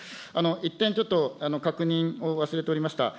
一点、ちょっと確認を忘れておりました。